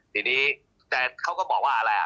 ตอนนี้เขาก็บอกว่าอะไรอะ